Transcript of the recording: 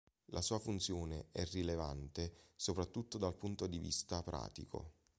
La sua funzione è rilevante soprattutto dal punto di vista pratico.